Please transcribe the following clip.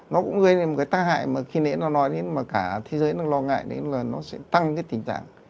nó cũng gây ra một cái tác hại mà khi nãy nó nói đến mà cả thế giới nó lo ngại đến là nó sẽ tăng cái tình trạng